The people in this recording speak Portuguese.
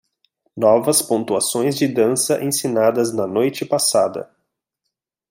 Novas pontuações de dança ensinadas na noite passada